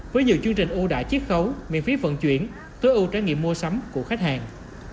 với nhiều chương trình ưu đãi chiếc khấu miễn phí vận chuyển tối ưu trải nghiệm mua sắm của khách hàng